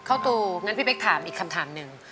เข้าตูงั้นพี่เป๊กถามอีกคำถามหนึ่ง